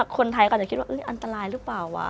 คนไทยอาจจะคิดว่าอันตรายหรือเปล่าวะ